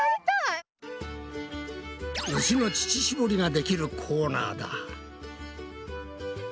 牛の乳しぼりができるコーナーだ！